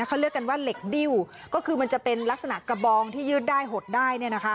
เขาเรียกกันว่าเหล็กดิ้วก็คือมันจะเป็นลักษณะกระบองที่ยืดได้หดได้เนี่ยนะคะ